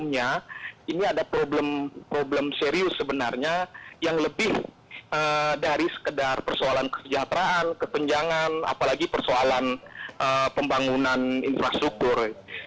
yang lebih dari sekedar persoalan kesejahteraan kepenjangan apalagi persoalan pembangunan infrastruktur